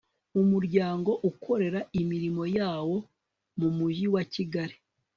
umuryango ukorera imirimo yawo mu mujyi wa kigali